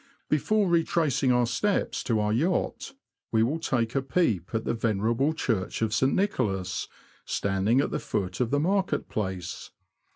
Before retracing our steps to our yacht, we will take a peep at the venerable Church of St. Nicholas, standing at the foot of the Market Place.